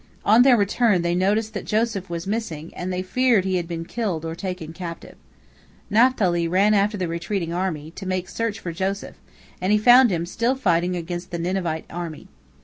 On their return they noticed that Joseph was missing, and they feared he had been killed or taken captive. Naphtali ran after the retreating enemy, to make search for Joseph, and he found him still fighting against the Ninevite army.